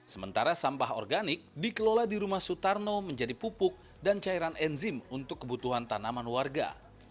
sementara sampah organik dikelola di rumah sutarno menjadi pupuk dan cairan enzim untuk kebutuhan tanaman warga